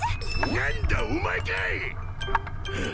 何だお前かい！ハァ。